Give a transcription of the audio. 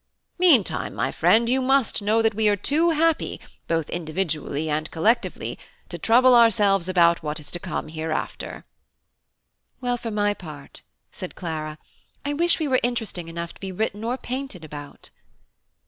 Meantime, my friend, you must know that we are too happy, both individually and collectively, to trouble ourselves about what is to come hereafter." "Well, for my part," said Clara, "I wish we were interesting enough to be written or painted about."